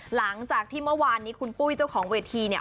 หลังจากที่เมื่อวานนี้คุณปุ้ยเจ้าของเวทีเนี่ย